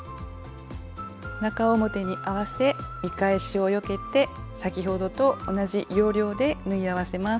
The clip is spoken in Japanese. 中表に合わせ見返しをよけて先ほどと同じ要領で縫い合わせます。